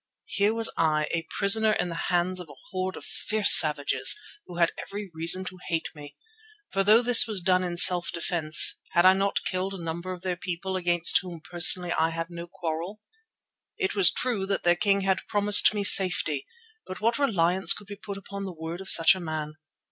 Here I was a prisoner in the hands of a horde of fierce savages who had every reason to hate me, for though this was done in self defence, had I not killed a number of their people against whom personally I had no quarrel? It was true that their king had promised me safety, but what reliance could be put upon the word of such a man?